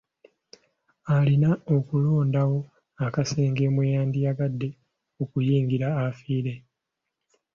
Alina okulondawo akasenge mwe yandyagadde okuyingira afiire.